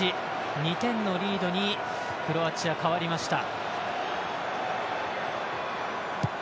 ２点のリードにクロアチア、変わりました。